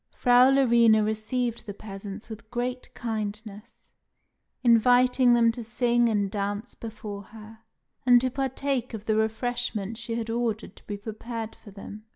Frau Larina received the peasants with great kindness, inviting them to sing and dance before her; and to partake of the refreshment she had ordered to be prepared for them.